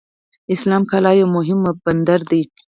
اسلام قلعه یو مهم بندر دی.